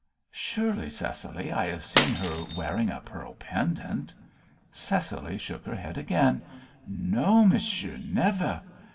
"Surely, Cecily, I have seen her wearing a pearl pendant?" Cecily shook her head again. "No, monsieur, never.